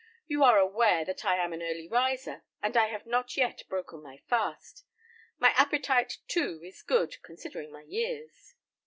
You are aware that I am an early riser, and I have not yet broken my fast. My appetite, too, is good, considering my years."